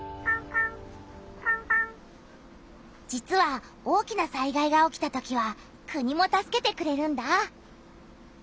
実は大きな災害が起きたときは「国」も助けてくれるんだ！